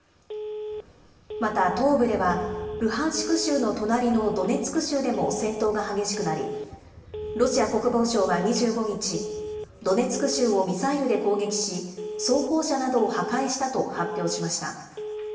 また東部では、ルハンシク州の隣のドネツク州でも戦闘が激しくなり、ロシア国防省は２５日、ドネツク州をミサイルで攻撃し、装甲車などを破壊したと発表しました。